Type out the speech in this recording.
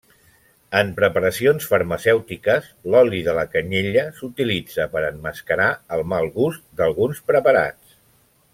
En preparacions farmacèutiques, l'oli de la canyella s'utilitza per emmascarar el mal gust d'alguns preparats.